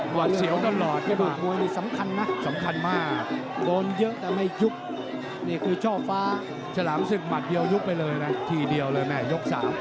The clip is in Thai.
กุดหมัดที่ออกนี่ก็อันตรายนะแมวที่ปล่อยหมัดได้เยอะแรงกว่า